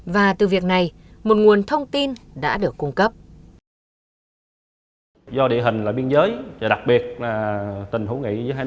và từ việc này một nguồn thông tin kết hợp với công an huyện xã vĩnh hội đông tổ chức họp thôn phát động phong trào quần chúng tham gia tố giác tội phạm